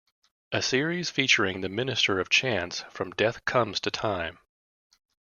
A series featuring the Minister of Chance from "Death Comes to Time".